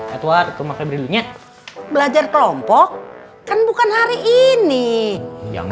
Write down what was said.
atuart rumah febril nya belajar kelompok kan bukan hari ini yang